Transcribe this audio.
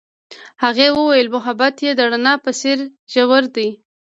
هغې وویل محبت یې د رڼا په څېر ژور دی.